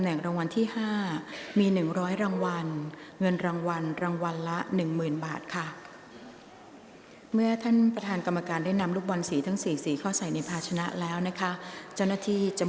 ออกรางวัลที่๓ครั้งที่๕เลขที่ออก